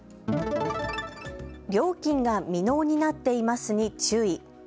料金が未納になっていますに注意。